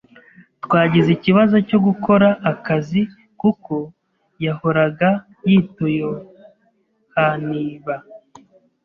Twagize ikibazo cyo gukora akazi kuko yahoraga yitoyohaniba.